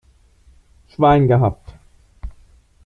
Schwein gehabt!